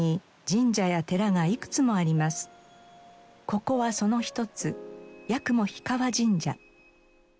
ここはその一つ八雲氷川神社。